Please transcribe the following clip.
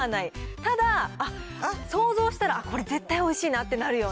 ただ想像したら、あっ、これ、絶対おいしいなってなるような。